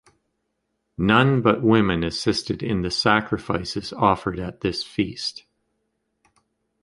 None but women assisted in the sacrifices offered at this feast.